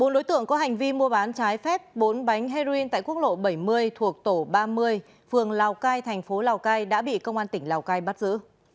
bốn đối tượng có hành vi mua bán trái phép bốn bánh heroin tại quốc lộ bảy mươi thuộc tổ ba mươi phường lào cai thành phố lào cai đã bị công an tỉnh lào cai bắt giữ